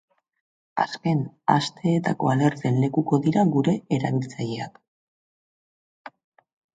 Azken asteetako alerten lekuko dira gure erabiltzaileak.